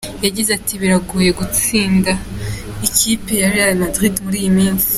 Yagize ati “Biragoye gutsinda ikipe ya Real Madrid muri iyi minsi.